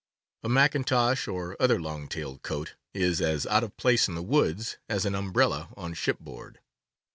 A mackintosh or other long tailed coat is as out of place in the woods as an umbrella on shipboard.